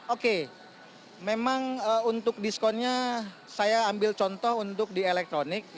oke memang untuk diskonnya saya ambil contoh untuk di elektronik